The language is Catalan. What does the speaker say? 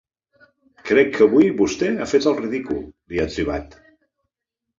Crec que avui vostè ha fet el ridícul, li ha etzibat.